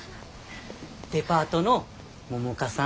デパートの百花さん。